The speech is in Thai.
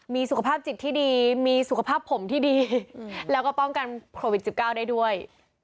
มีสุขภาพจิตที่ดีมีสุขภาพผมที่ดีแล้วก็ป้องกันโควิด๑๙ได้ด้วย